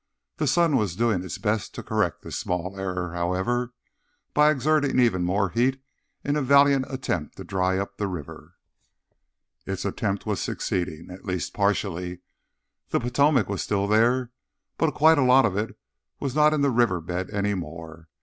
The sun was doing its best to correct this small error, however, by exerting even more heat in a valiant attempt to dry up the river. Its attempt was succeeding, at least partially. The Potomac was still there, but quite a lot of it was not in the river bed any more.